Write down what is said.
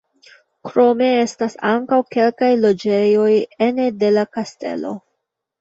Krome estas ankaŭ kelkaj loĝejoj ene de la kastelo.